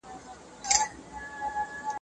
د قسم کفاره هم د مريي ازادول دي.